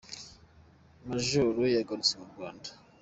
Majoro yagarutse mu Rwanda